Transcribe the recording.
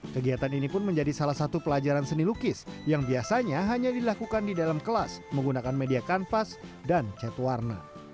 kegiatan ini pun menjadi salah satu pelajaran seni lukis yang biasanya hanya dilakukan di dalam kelas menggunakan media kanvas dan cat warna